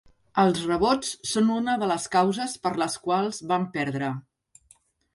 Els rebots són una de les causes per les quals van perdre.